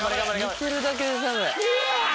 見てるだけで寒い！